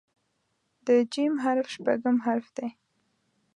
د "ج" حرف شپږم حرف دی.